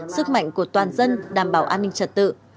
sức mạnh của toàn dân đảm bảo an ninh trật tự